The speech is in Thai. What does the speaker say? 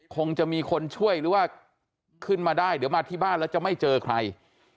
คงจะมีคนช่วยหรือว่าขึ้นมาได้เดี๋ยวมาที่บ้านแล้วจะไม่เจอใคร